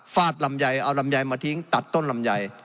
ลำไยเอาลำไยมาทิ้งตัดต้นลำไย